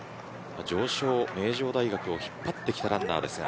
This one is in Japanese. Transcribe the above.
常勝名城大学を引っ張ってきたランナーです。